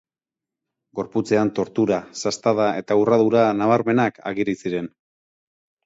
Gorputzean tortura, sastada eta urradura nabarmenak ageri ziren.